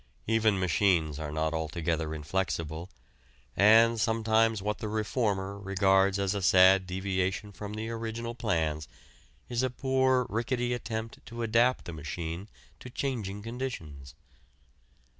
Even machines are not altogether inflexible, and sometimes what the reformer regards as a sad deviation from the original plans is a poor rickety attempt to adapt the machine to changing conditions.